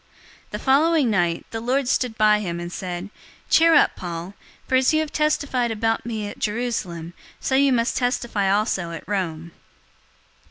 023:011 The following night, the Lord stood by him, and said, "Cheer up, Paul, for as you have testified about me at Jerusalem, so you must testify also at Rome."